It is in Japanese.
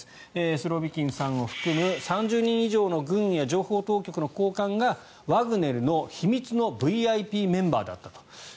スロビキンさんを含む３０人以上の軍や情報当局の高官がワグネルの秘密のＶＩＰメンバーだったと。